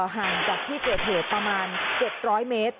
ห่างจากที่เกิดเหตุประมาณ๗๐๐เมตร